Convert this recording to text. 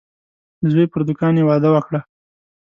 د زوی پر دوکان یې وعده وکړه.